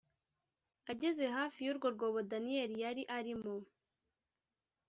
Ageze hafi y urwo rwobo Daniyeli yari arimo